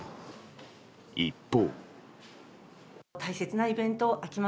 一方。